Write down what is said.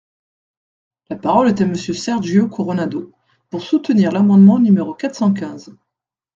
La parole est à Monsieur Sergio Coronado, pour soutenir l’amendement numéro quatre cent quinze.